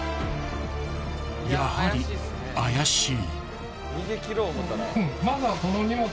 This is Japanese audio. ［やはり怪しい］